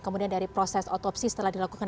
kemudian dari proses otopsi setelah dilakukan